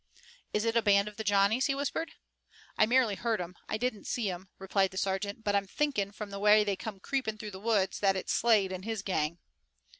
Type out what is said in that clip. "Is it a band of the Johnnies?" he whispered. "I merely heard 'em. I didn't see 'em," replied the sergeant, "but I'm thinkin' from the way they come creepin' through the woods that it's Slade and his gang."